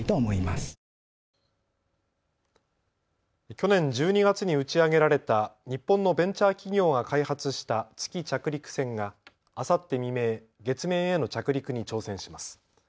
去年１２月に打ち上げられた日本のベンチャー企業が開発した月着陸船があさって未明、月面への着陸に挑戦します。